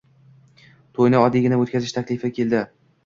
To'yni oddiygina o'tkazish taklifi keldi.